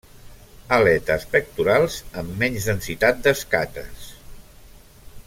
Aletes pectorals amb menys densitat d'escates.